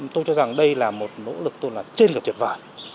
tôi cho rằng đây là một nỗ lực tôi là trên cả truyền vạn